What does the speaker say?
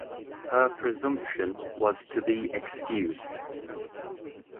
“Her presumption” was to be excused.